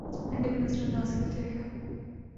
انڈے کو نظر انداز کر دیا گیا